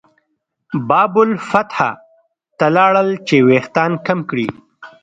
باب الفتح ته لاړل چې وېښتان کم کړي.